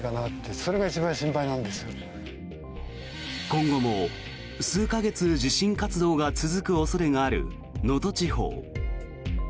今後も数か月、地震活動が続く恐れがある能登地方。